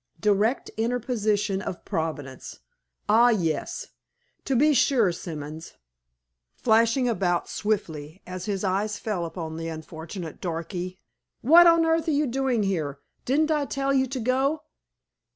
Direct interposition of Providence! Ah, yes; to be sure Simons!" flashing about swiftly, as his eyes fell upon the unfortunate darky "what on earth are you doing here? Didn't I tell you to go?"